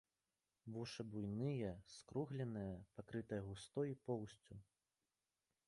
Вушы буйныя, скругленыя, пакрытыя густой поўсцю.